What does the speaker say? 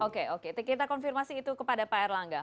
oke oke kita konfirmasi itu kepada pak erlangga